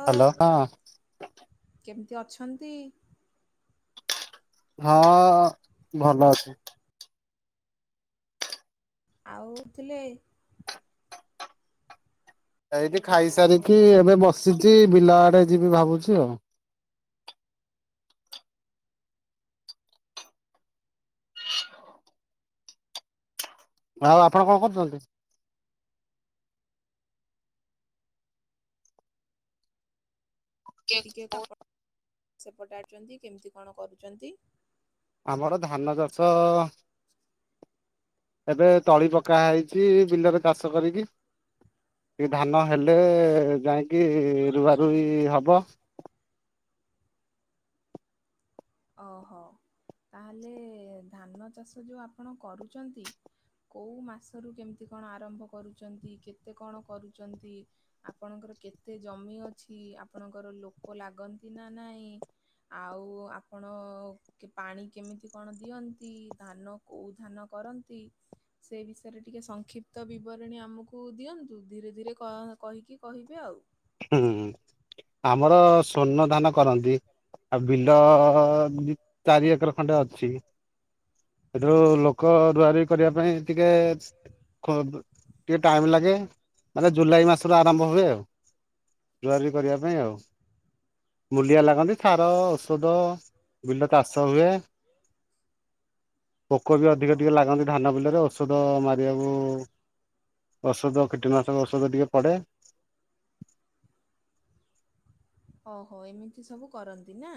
ଓ hello ହଁ। କେମିତି ଅଛନ୍ତି? ହଁ ଭଲ ଅଛି। ଆଉ ଥିଲେ ଏଇଠି ଖାଇସାରିକି ଏବେ ବସିଛି ବିଲ ଆଡେ ଯିବି ଭାବୁଛି ଆଉ। ଆଉ ଆପଣ କଣ କରୁଛନ୍ତି? ଏମିତି ଟିକେ ପାପ [unintelligible] ସେ ପଚାରୁଛନ୍ତି କେମିତି କଣ କରୁଛନ୍ତି? ଆମର ଧାନ ଚାଷ ଏବେ ତଳି ପକା ହେଇଛି ବିଲରେ ଚାଷ କରିକି। କି ଧାନ ହେଲେ ଯାଇକି ରୁଆ ରୁଇ ହବ। ଓହୋ ତାହେଲେ ଧାନ ଚାଷ ଯେଉଁ ଆପଣ କରୁଛନ୍ତି କେଉଁ ମାସରୁ କେମିତି କଣ ଆରମ୍ଭ କରୁଛନ୍ତି କେତେ କଣ କରୁଛନ୍ତି? ଆପଣଙ୍କର କେତେ ଜମି ଅଛି ଆପଣଙ୍କର ଲୋକ ଲାଗନ୍ତି ନା ନାଇଁ? ଆଉ ଆପ ଆପଣ କେ ପାଣି କେମିତି କଣ ଦିଅନ୍ତି ଧାନ କେଉଁ ଧାନ କରନ୍ତି? ସେଇ ବିଷୟରେ ଟିକେ ସଂକ୍ଷିପ୍ତ ବିବରଣୀ ଆମକୁ ଦିଅନ୍ତୁ। ଧୀରେ ଧୀରେ କହ କହିକି କହିବେ ଆଉ। ହୁଁ ଆମର ସ୍ଵର୍ଣ୍ଣ ଧାନ କରନ୍ତି। ବିଲ ଚାରି ଏକର ଖଣ୍ଡେ ଅଛି। ସେଠୁ ଲୋ କ ରୁଆ ରୁଈ କରିବା ପାଇଁ ଟିକେ କ ଟିକେ ଟାଇମ ଲାଗେ ମାନେ ଜୁଲାଇ ମାସରୁ ଆରମ୍ଭ ହୁଏ ଆଉ। ରୁଆରୁଇ କରିବା ପାଇଁ ଆଉ। ମୂଲିଆ ଲାଗନ୍ତି ସାର ଔଷଧ ବିଲ ଚାଷ ହୁଏ। ପୋକ ବି ଅଧିକ ହଁ। ଟିକେ ଲାଗନ୍ତି। ଧାନ ବିଲରେ ଔଷଧ ମାରିବାକୁ ଔଷଧ କୀଟନାଶକ ଔଷଧ ଟିକେ ପଡ଼େ। ଓହୋ ଏମିତି ସବୁ କରନ୍ତି ନା।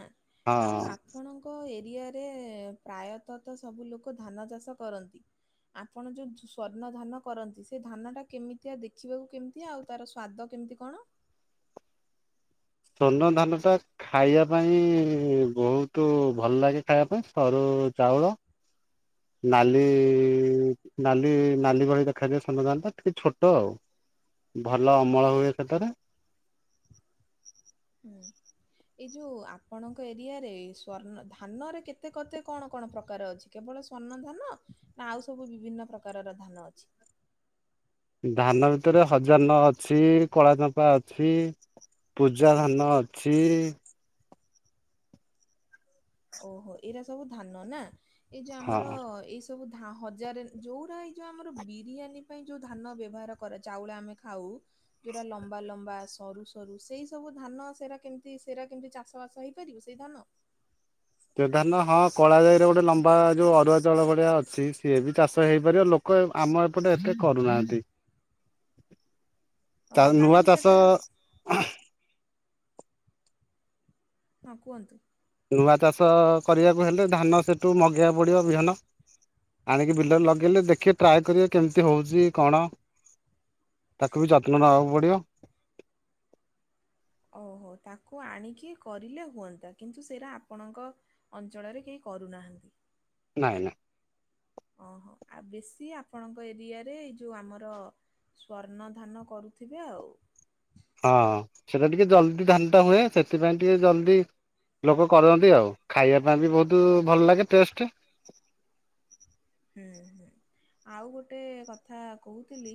ଆଉ ଆ ହଁ ଆପଣଙ୍କ ଏରିଆରେ ପ୍ରାୟତଃ ତ ସବୁ ଲୋକ ଧାନ ଚାଷ କରନ୍ତି। ଆପଣ ଯୋଉ ସ୍ଵର୍ଣ୍ଣ ଧାନ କରନ୍ତି ସେ ଧାନ ଟା କେମିତିଆ ଦେଖିବାକୁ କେମ ତି ଆଉ ତାର ସ୍ଵାଦ କେମିତି କଣ। ସ୍ୱର୍ଣ୍ଣ ଧାନ ଟା ଖାଇବା ପାଇଁ ବହୁତ ଭଲ ଲାଗେ ଖାଇବା ପାଇଁ ସରୁ ଚାଉଳ। ନାଲି ନାଲି ନାଲି ଭଳି ଦେଖାଯାଏ ସ୍ୱର୍ଣ୍ଣଧାନ ଟା ଟିକେ ଛୋଟ ଆଉ। ଭଲ ଅମଳ ହୁଏ ସେଥେରେ। ହୁଁ। ଏଇ ଯୋଉ ଆପଣଙ୍କ ଏରିଆରେ ସ୍ଵର୍ଣ୍ଣ ଧାନରେ କେତେ କତେ କଣ କଣ ପ୍ରକାର ଅଛି। କେବଳ ସ୍ଵର୍ଣ୍ଣ ଧାନ ନା ଆଉ ସବୁ ବିଭିନ୍ନ ପ୍ରକାରର ଧାନ ଅଛି। ଧାନ ଭିତରେ ହଜାର ନ ଅଛି କଳା ଚମ୍ପା ଅଛି। ପୂଜା ଧାନ ଅଛି। ଓହୋ ଏଇରା ସବୁ ଧାନ ନା ଏଇ ଯେ ହଁ ଆମର ଏଇ ସବୁ ଧା ହଜାରେ ଯୋଉ ରା ଏଇ ଯ ଆମର ବିରିୟାନୀ ପାଇଁ ଯେଉ ଧାନ ବ୍ୟବହାର କରେ ଚାଉଳ ଆମେ ଖାଉ ଯୋଉରା ଲମ୍ବା ଲମ୍ବା ସରୁ ସରୁ ସେଇ ସବୁ ଧାନ ସେରା କେମିତି ସେରା କେମିତି ଚାଷ ବାସ ହେଇ ପାରିବୁ ସେଇ ଧାନ। ତଧାନ ହଁ କଳା ଯାଇରେ ଗୋଟେ ଲମ୍ବା ଯୋଉ ଅରୁଆ ଚାଉଳ ଭଳିଆ ଅଛି ସିଏ ବି ଚାଷ ହେଇପାରିବ ଲୋ କ ଆମ ଏପଟେ ଏତେ କରୁନାହାନ୍ତି। ଓ ନୂଆ କାହିଁକି ଚାଷ ସେଟା ହଁ କୁହନ୍ତୁ। ନୂଆ ଚାଷ କରିବାକୁ ହେଲେ ଧାନ ସେଠୁ ମଗେଇବାକୁ ପଡିବ ବିହନ। ଆଣିକି ବିଲରେ ଲଗେଇଲେ ଦେଖିବେ ଟ୍ରାଏ କରିବେ କେମିତି ହେଉଛି କଣ। ତାକୁ ବି ଯତ୍ନ ନେବାକୁ ପଡ଼ିବ। ଓହୋ ତାକୁ ଆଣିକି କରିଲେ ହୁଅନ୍ତା କିନ୍ତୁ ସେରା ଆପଣଙ୍କ ଅଞ୍ଚଳରେ କେହି କରୁନାହାନ୍ତି। ନାଇଁ ନାଇଁ। ଅ ହ ଆଉ ବେଶୀ ଆପଣଙ୍କ ଏରିଆରେ ଏଇ ଯୋଉ ଆମର ସ୍ଵର୍ଣ୍ଣ ଧାନ କରୁଥିବେ ଆଉ। ହଁ ସେଟା ଟିକେ ଜଲଦି ଧାନ ଟା ହୁଏ ସେଥିପାଇଁ ଟିକେ ଜଲଦି ଲୋକ କରନ୍ତି ଆଉ ଖାଇବା ପାଇଁ ବି ବହୁତ ଭଲ ଲାଗେ ଟେଷ୍ଟ। ହୁଁ ହୁଁ ଆଉ ଗୋଟେ କଥା କହୁଥିଲି।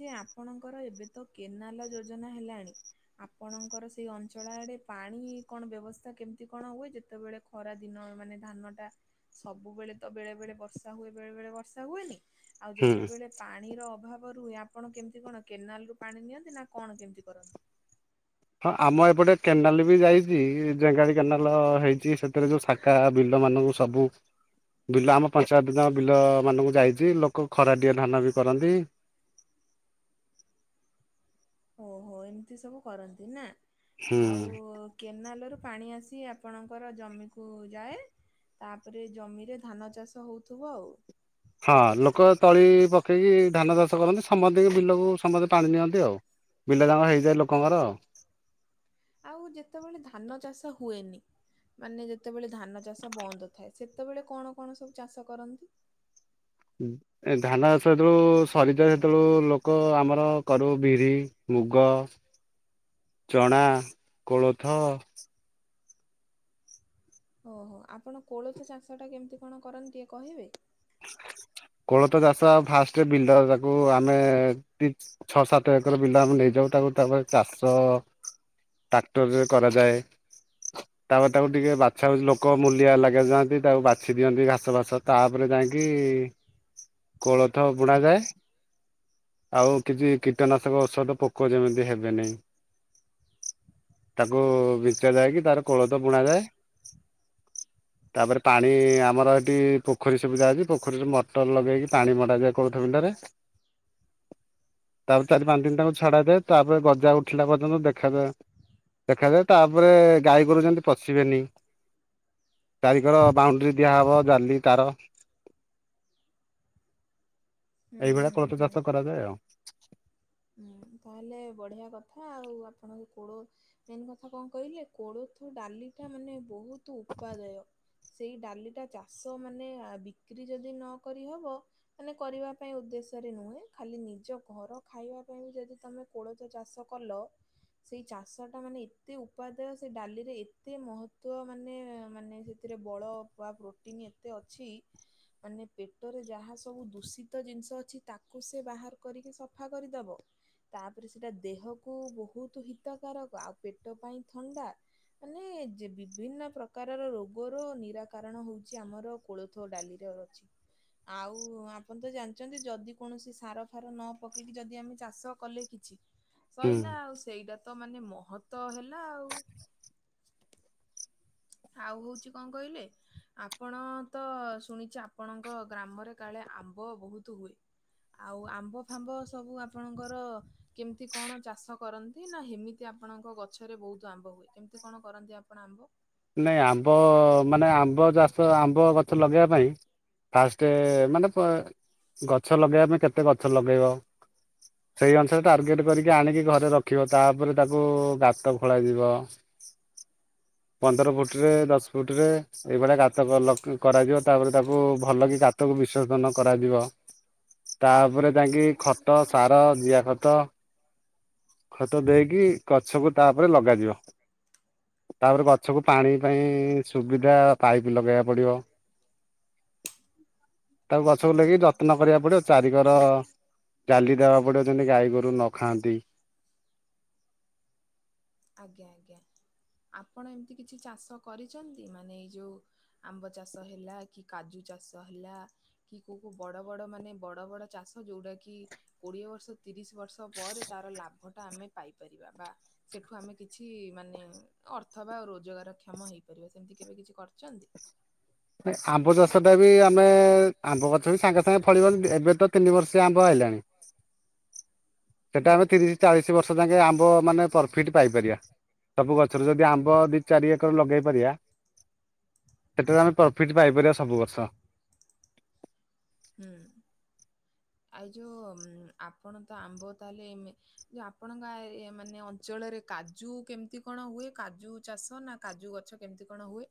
ଯେ ଆପଣଙ୍କର ଏବେ ତ କେନାଲ ଯୋଜନା ହେଲାଣି। ଆପଣଙ୍କର ସେଇ ଅଞ୍ଚଳ ଆଡ଼େ ପାଣି କଣ ବ୍ୟବସ୍ଥା କେମିତି କଣ ହୁଏ ଯେତେବେଳେ ଖରା ଦିନ ମାନେ ଧାନ ଟା ସବୁବେଳେ ତ ବେଳେ ବେଳେ ବ ର୍ଷା ହୁଏ ବେଳେ ବେଳେ ବର୍ଷା ହୁଏନି ଆଉ ହୁଁ ଯେତେବେଳେ ପାଣିର ଅଭାବ ରୁ ହୁଏ ଆପଣ କେମିତି କଣ କେନାଲ ରୁ ପାଣି ନିଅନ୍ତି ନା କଣ କେମିତି କରନ୍ତି। ହଁ ଆମ ଏପଟେ କେନାଲ ବି ଯାଇଚି ରେଙ୍ଗାଳି କେନାଲ ହେଇଛି ସେଥିରେ ଯୋଉ ସା କା ବିଲ ମାନଙ୍କୁ ସବୁ ବିଲ ଆମ ପଞ୍ଚାୟତ ଯ ବିଲ ମାନଙ୍କୁ ଯାଇଚି ଲୋକ ଖରାଟିଆ ଧାନ ବି କରନ୍ତି। ଓହୋ ଏମିତି ସବୁ କରନ୍ତି ନା ହୁଁ ଆଉ କେନାଲରୁ ପାଣି ଆସି ଆପଣଙ୍କର ଜମିକୁ ଯାଏ। ତାପରେ ଜମିରେ ଧାନ ଚାଷ ହଉଥିବ ଆଉ। ହଁ ଲୋକ ତଳି ପକେଇକି ଧାନ ଚାଷ କରନ୍ତି ସମତିକି ବିଲକୁ ସମସ୍ତେ ପାଣି ନିଅନ୍ତି ଆଉ। ବିଲ ଜାଙ୍ଗ ହେଇଯାଏ ଲୋକଙ୍କର। ଆଉ ଯେତେବେଳେ ଧାନ ଚାଷ ହୁଏନି ମାନେ ଯେତେବେଳେ ଧାନ ଚାଷ ବନ୍ଦ ଥାଏ। ସେତେବେଳେ କଣ କଣ ସବୁ ଚାଷ କରନ୍ତି। ହୁଁ। ଏ ଧାନ ଚାଷ ଯେତେଳୁ ସରିଯାଏ ସେତେଳୁ ଲୋକ ଆମର କରୁ ବିରି ମୁଗ ହ। ଚଣା କୋଳଥ। ଓହୋ ଆପଣ କୋଳଥ ଚାଷ ଟା କେମିତି କଣ କରନ୍ତି ଟିକେ କହିବେ। କୋଳଥ ଚାଷ ଫାଷ୍ଟେ ବିଲଡର ରାକୁ ଆମେ ଟି ଛଅ ସାତ ଏକର ବିଲ ଆମେ ନେଇଯାଉ ତାକୁ ତାପରେ ଚାଷ। ଟ୍ରାକ୍ଟରରେ କରାଯାଏ। ତାପରେ ତାକୁ ଟିକେ ବାଛାବୁଛି ଲୋକ ମୂଲିଆ ଲଗା ଯାଆନ୍ତି ତାକୁ ବାଛି ଦିଅନ୍ତି ଘାସ ଫାସ ତାପରେ ଯାଇଁ କି କୋଳଥ ବୁଣା ଯାଏ। ଆଉ କିଛି କୀଟନାଶକ ଔଷଧ ପୋକ ଯେମିତି ହେବେନି। ତାକୁ ବିଚା ଯାଇକି ତାର କୋଳଥ ବୁଣା ଯାଏ। ତାପରେ ପାଣି ଆମର ଏଠି ପୋଖରୀ ସୁବିଧା ଅଛି। ପୋଖରୀରେ ମଟର ଲଗେଇକି ପାଣି ମଡା ଯାଏ କୁଳଥ ବିଲ ରେ। ତାପରେ ଚାରି ପାଞ୍ଚ ଦିନ ତାକୁ ଛଡା ଯାଏ ତାପରେ ଗଜା ଉଠିଲା ପଯ୍ୟନ୍ତ ଦେଖାଯାଏ। ଦେଖାଯାଏ ତାପରେ ଗାଈ ଗୁରୁ ଯେମିତି ପଶିବେନି। ଚାରିକର ବାଉଣ୍ଡିରି ଦିଆହବ ଜାଲି ତାର। ହୁଁ ଏଇଭଳିଆ ହୁଁ କୁଳଥ ହୁଁ। ଚାଷ କରାଯାଏ ଆଉ। ହୁଁ ତାହେଲେ ବଢିଆ କଥା ଆଉ ଆପଣଙ୍କୁ କୋଳ ମେନ୍ କଥା କଣ କହିଲେ କୋଳଥ ଡାଲି ଟା ମାନେ ବହୁତ ଉପାଦୟ। ସେଇ ଡାଲିଟା ଚାଷ ମାନେ ବିକ୍ରି ଯଦି ନକରିହବ। ମାନେ କରିବା ପାଇଁ ଉଦ୍ଦେଶ୍ୟରେ ନୁହେଁ ଖାଲି ନିଜ ଘର। ଖାଇବା ପାଇଁ ବି ଯଦି ତମେ କୋଳଜ ଚାଷ କଲ। ସେଇ ଚାଷ ଟା ମାନେ ଏତେ ଉପାଦେୟ ସେଇ ଡାଲିରେ ଏତେ ମହତ୍ବ ମାନେ ମାନେ ଯେ ଏଥିରେ ବଳ ବା ପ୍ରୋଟିନ୍ ଏତେ ଅଛି। ମାନେ ପେଟରେ ଯାହା ସବୁ ଦୂଷିତ ଜିନିଷ ଅଛି ତାକୁ ସେ ବାହାର କରିକି ସ ସଫା କରିଦେବ। ତାପରେ ସେଟା ଦେହକୁ ବହୁତ ହିତକାରକ ଆଉ ପେଟ ପାଇଁ ଥଣ୍ଡା। ମାନେ ଯେ ବିଭିନ୍ନ ପ୍ରକାରର ରୋଗର ନିରାକାରଣ ହଉଛି ଆମର। କୋଳଥ ଡାଲିରେ ଅଛି ଆଉ ଆପଣ ତ ଜାଣିଛନ୍ତି ଯଦି କୌଣସି ସାର ଫାର ନ ପକେଇକି ଯଦି ଆମେ ଚାଷ କଲେ କିଛି ହୁଁ। ସଇଲା ଆଉ ସେଇଟା ତ ମାନେ ମହତ ହେଲା ଆଉ। ହ ଆଉ ହଉଛି କଣ କହିଲେ। ଆପଣ ତ ଶୁଣିଛି ଆପଣଙ୍କ ଗ୍ରାମରେ କାଳେ ଆମ୍ବ ବହୁତୁ ହୁଏ। ଆଉ ଆମ୍ବ ଫାମ୍ବ ସବୁ ଆପଣଙ୍କର। କେମିତି କଣ ଚାଷ କରନ୍ତି ନା ହେମିତି ଆପଣଙ୍କ ଗଛରେ ବହୁତ ଆମ୍ବ ହୁଏ କେମିତି କଣ କରନ୍ତି ଆପଣ ଆମ୍ବ? ନାଇଁ ଆମ୍ବ ମାନେ ଆମ୍ବ ଚାଷ ଆମ୍ବ ଗଛ ଲଗେଇବା ପାଇଁ। ଫାଷ୍ଟେ ମାନେ ଗଛ ଲଗେଇବା ପାଇଁ କେତେ ଗଛ ଲଗେଇବ। ସେଇ ଅନୁସାରେ ଟାର୍ଗେଟ କରିକି ଆଣିକି ଘରେ ରଖିବ ତାପରେ ତାକୁ ଗାତ ଖୋଳା ଯିବ। ପନ୍ଦର ଫୁଟରେ ଦଶ ଫୁଟରେ। ଏଇଭଳିଆ ଗାତ କରାଯିବ ତାପରେ ତାକୁ ଭଲ କି ଗାତକୁ ବିଶୋଜନ କରାଯିବ। ତାପରେ ଯାଇଁ ଙ୍କି ଖତ ସାର ଜିଆ ଖତ। ଖତ ଦେଇକି ଗଛକୁ ତାପରେ ଲଗାଯିବ ତାପରେ ଗ ସବୁ ପାଣି ପାଇଁ ସୁବିଧା ପାଇପ୍ ଲଗେଇବାକୁ ପଡ଼ିବ। ତାକୁ ଗଛକୁ ହୁଁ। ଲାଗେଇ ଯତ୍ନ କରିବାକୁ ପଡିବ। ଚାରିିକର ଜାଲି ଦେବାକୁ ପଡିବ ଯେମତି ଗାଈ ଗୋରୁ ନ ଖାଆନ୍ତି। ଆଜ୍ଞା ଆଜ୍ଞା ଆପଣ ଏମିତି କିଛି ଚାଷ କରିଛନ୍ତି ମାନେ ଏଇ ଯଉ। ଆମ୍ବ ଚାଷ ହେଲା କି କାଜୁ ଚାଷ ହେଲା। କି କଉ କଉ ବଡ଼ ବଡ଼ ମାନେ ବଡ଼ ବଡ଼ ଚାଷ ଯଉଟାକି। କୋଡ଼ିଏ ବର୍ଷ ତିରିଶ ବର୍ଷ ପରେ ତାର ଲାଭଟା ଆମେ ପାଇପାରିବା ବା। ସେଠୁ ଆମେ କିଛି ମାନେ ଅର୍ଥ ବା ଆଉ ରୋଜଗାର କ୍ଷମ ହେଇପାରିବା ସେମିତି କେବେ କିଛି କରିଛନ୍ତି। ଆମ୍ବ ଚାଷଟା ବି ଆମେ ଆମ୍ବ ଗଛ ବି ସାଙ୍ଗେ ସାଙ୍ଗେ ଫଳିବ ଏବେ ତ ତିନି ବର୍ଷେ ଆମ୍ବ ହେଲାଣି। ହ ହେଟା ଆମେ ତିରି ଚାଳିଶ ବର୍ଷ ଯାଙ୍କେ ଆମ୍ବ ମାନେ ପର୍ଫିଟ୍ ପାଇପାରିବା। ସବୁ ଗଛରୁ ଯଦି ଆମ୍ବ ଦି ଚାରି ଏକର ଲଗେଇ ପାରିବା। ହେଠାରେ ଆମେ ପ୍ରଫିଟ୍ ପାଇପାରିବା ସବୁ ବର୍ଷ। ହୁଁ, ଆଉ ଯୋ ଆପଣ ତ ଆମ୍ବ ତାହେଲେ ଏମେ ଯେ ଆପଣଙ୍କ ଏ ମାନେ ଅଞ୍ଚଳରେ କାଜୁ କେମିତି କଣ ହୁଏ? କାଜୁ ଚାଷ ନା କାଜୁ ଗଛ କେମିତି କଣ ହୁଏ?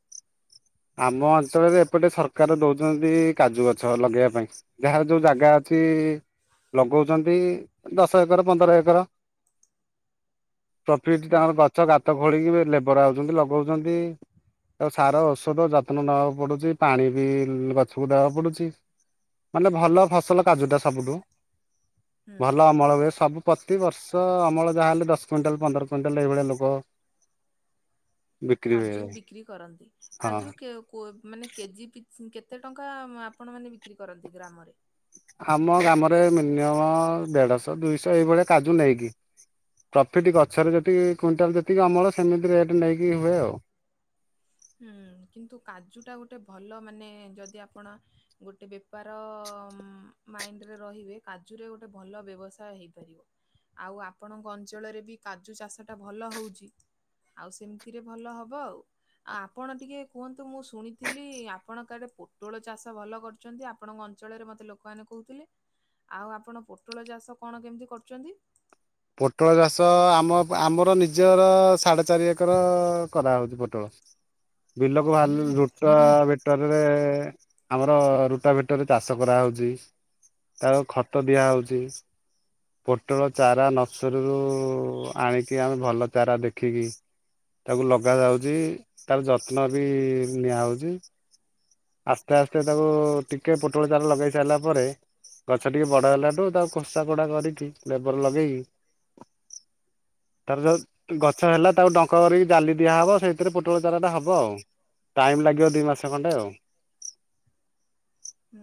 ଆମ ଅଞ୍ଚଳରେ ଏପଟେ ସରକାର ଦଉଛନ୍ତି କାଜୁ ଗଛ ଲଗେଇବା ପାଇଁ। ଯାହାର ଯଉ ଜାଗା ଅଛି-ଇ ଲଗଉଛନ୍ତି। ଦଶ ଏକର ପନ୍ଦର ଏକର। ପ୍ରଫିଟ୍ ହୁଁ ତାଙ୍କର ପାଉ ଗଛ ଗାତ ଖୋଳିକି ଲେବର ଆଉଛନ୍ତି, ଲଗଉଛନ୍ତି। ତାକୁ ସାର ତଧ ଯତ୍ନ ନବାକୁ ପଡୁଛି। ପାଣି ବି ଗଛକୁ ଦେବାକୁ ପଡୁଛି। ମାନେ ଭଲ ଫସଲ କାଜୁଟା ସବୁଠୁ। ହୁଁ ଭଲ ଅମଳ ହୁଏ ସବୁ ପ୍ରତିିବର୍ଷ ଅମଳ ଯାହାହଲେ, ଦଶ କୁଇଣ୍ଟାଲ୍ ପନ୍ଦର କୁଇଣ୍ଟାଲ୍ ଏଇଭଳିଆ ଲୋକ ବିକ୍ରି ହୁଏ କାଜୁ ବିକ୍ରି କରନ୍ତି। ହଁ କାଜୁ କି କେ କୋ ମାନେ କେଜି ପିଚ୍ କେତେ ଟଙ୍କା ଆପଣ ମାନେ ବିକ୍ରି କରନ୍ତି ଗ୍ରାମରେ? ଆମ ଗ୍ରାମରେ ମିନିମମ୍ ଦେଢ଼ଶହ, ଦୁଇଶହ ଏଇଭଳିଆ କାଜୁ ନେଇକି। ପ୍ରଫିଟ୍ ଗଛରେ ଯେତିକି କୁଇଣ୍ଟାଲ, ଯେତିକି ଅମଳ ସେମିତି ରେଟ୍ ନେଇକି ହୁଏ ଆଉ। ହୁଁ, କିନ୍ତୁ କାଜୁ ଟା ଗୋଟେ ଭଲ ମାନେ, ଯଦି ଆପଣ ଗୋଟେ ବେପାର-ଅ ମାଇଣ୍ଡରେ ରହିବେ। କାଜୁରେ ଗୋଟେ ଭଲ ବ୍ୟବସାୟ ହେଇପାରିବ। ଆଉ, ଆପଣଙ୍କ ଅଞ୍ଚଳରେ ବି କାଜୁ ଚାଷଟା ଭଲ ହଉଛି। ଆଉ, ସେମିତିରେ ଭଲ ହବ ଆଉ। ଆ ଆପଣ ଟିକେ କୁହନ୍ତୁ, ମୁଁ ଶୁଣିଥିଲି, ଆପଣ କାଡେ ପୋଟଳ ଚାଷ ଭଲ କରୁ ଚନ୍ତି। ଆପଣଙ୍କ ଅଞ୍ଚଳରେ ମତେ ଲୋକଆନେ କହୁଥିଲେ। ଆଉ, ଆପଣ ପୋଟଳ ଚାଷ କଣ କେମିତି କରୁଚନ୍ତି? ପୋଟଳ ଚାଷ ଆମ ଆମର, ନିଜର ସାଢ଼େ ଚାରି ଏକର କରାହଉଛି ପୋଟଳ। ବିଲକୁ ଭାଲୁ ଲୁଟ ଭିଟରରେ ଆମର ରୁଟା ଭେଟରେ ଚାଷ କରାହଉଛି। ତାକୁ ଖତ ଦିଆହଉଛି। ପୋଟଳ ଚାରା ନର୍ସରୀରୁ-ଉ ଆଣିକି ଆମେ ଭଲ ଚାରା ଦେଖିକି ତାକୁ ଲଗାଯାଉଛି। ତାର ଯତ୍ନ ବି ନିଆହଉଛି। ଆସ୍ତେ ଆସ୍ତେ ତାକୁ ଟିକେ ପୋଟଳ ଚାରା ଲଗେଇ ସାଇଲା ପରେ ଗଛ ଟିକେ ବଡ଼ ହେଲାଠୁ, ତାକୁ ଖୋସା କୋଡ଼ା କରିକି ଲେବର ଲଗେଇକି ତାର ଯଉ ଗଛ ହେଲା, ତାକୁ ଡଙ୍କ୍ କରି ଜାଲି ଦିଆହବ। ସେଇଥିରେ ପୋଟଳ ଚାରାଟା ହବ ଆଉ। ଟାଇମ୍ ଲାଗିବ ଦୁଇ ମାସ ଖଣ୍ଡେ ଆଉ।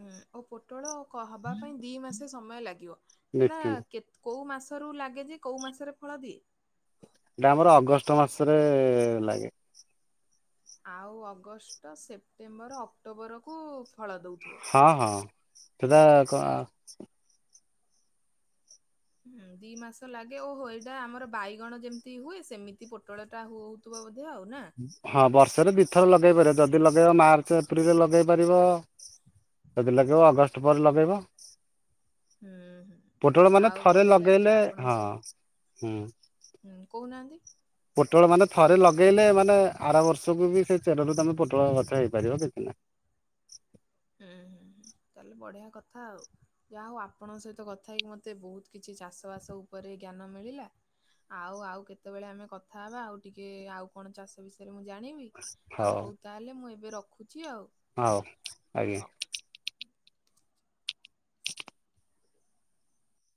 ହୁଁ, ଓ ପୋଟଳ ହବା ପାଇଁ ଦି ମାସ ସମୟ ଲାଗିବ। ସେଟାଁ ନିଶ୍ଚିନ୍ତ। କେତ୍ କଉ ମାସରୁ ଲାଗେ ଯେ, କଉ ମାସରେ ଫଳ ଦିଏ। ଏଇଟା ଆମର ଅଗଷ୍ଟ ମାସରେ-ଏ ଲାଗେ। ଆଉ, ଅଗଷ୍ଟ, ସେପ୍ଟେମ୍ବର, ଅକ୍ଟୋବରକୁ ଫଳ ଦଉଥିବ। ହଁ, ହଁ। ସେଟା କ ହୁଁ ଦି ମାସ ଲାଗେ ଓହୋ! ଏଇଟା ଆମର ବାଇଗଣ ଯେମିତି ହୁଏ। ସେମିତି ପୋଟଳ ଟା ହୁ ହୁ ତୁବ ବୋଧେ ଆଉ ନା! ହଁ, ବର୍ଷରେ ଦି ଥର ଲଗେଇ ପାରିବ। ଯଦି ଲଗେଇବ ମାର୍ଚ୍ଚ, ଏପ୍ରିଲରେ ଲଗେଇ ପାରିବ। ଯଦି ଲଗେଇବ, ଅଗଷ୍ଟ ପରେ ଲଗେଇବ। ହୁଁ ହୁଁ ପୋଟଳ ମାନେ ଆଉ ଥରେ ବଢିଆ ଲାଗିଲା ଲଗେଇଲେ ଆପଣଙ୍କ ହଁ, ସହିତ ହୁଁ। ହୁଁ, କହୁନାହାଁନ୍ତି। ପୋଟଳ ମାନେ ଥରେ ଲଗେଇଲେ, ମାନେ ଆର ବର୍ଷକୁ ବି ସେ ଚେରରୁ ତୁମେ ପୋଟଳ ଗଛ ହେଇପାରିବ କିଛି ନାହିଁ। ହୁଁ ହୁଁ ହୁଁ, ତାହେଲେ ବଢ଼ିଆ କଥା ଆଉ। ଯାହା ହଉ ଆପଣଙ୍କ ସହିତ କଥା ହେଇକି, ମୋତେ ବହୁତ କିଛି ଚାଷବାସ ଉପରେ ଜ୍ଞାନ ମିଳିଲା। ଆଉ ଆଉ କେତେବେଳେ ଆମେ କଥା ହବା। ଆଉ, ଟିକେ-ଏ ଆଉ କଣ ଚାଷ ବିଷୟରେ ମୁଁ ଜାଣିବି? ଆଉ, ହଉ ତାହେଲେ ମୁଁ ଏବେ ରଖୁଛି ଆଉ। ହଉ ହଉ। ଆଜ୍ଞା।